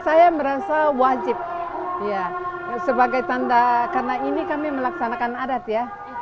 saya merasa wajib sebagai tanda karena ini kami melaksanakan adat ya